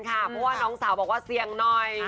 เพราะน้องสาวบอกเชียงหน่อย